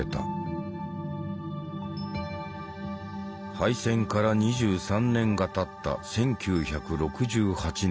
敗戦から２３年がたった１９６８年。